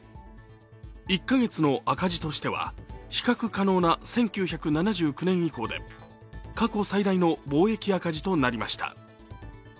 １か月の赤字としては、比較可能な１９７９年以降で過去最大の貿易赤字となりました。